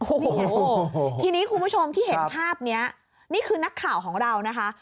โอ้โหทีนี้คุณผู้ชมที่เห็นภาพนี้นี่คือนักข่าวของเรานะคะ